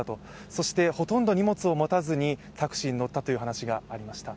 そしてほとんど荷物を持たずにタクシーに乗ったという話もありました。